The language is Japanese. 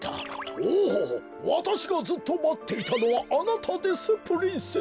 おおわたしがずっとまっていたのはあなたですプリンセス。